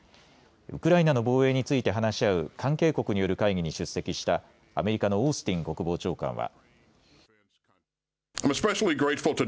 ウクライナの防衛について話し合う関係国による会議に出席したアメリカのオースティン国防長官は。